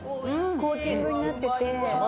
コーティングになってて。